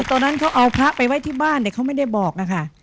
ตอนนั้นเขาเอาพระไปไว้ที่บ้านแต่เขาไม่ได้บอกอะค่ะ